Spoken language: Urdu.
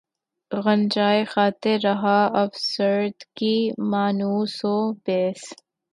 غنچۂ خاطر رہا افسردگی مانوس و بس